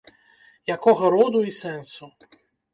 Якога роду і сэнсу?